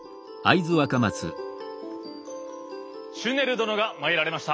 シュネル殿が参られました。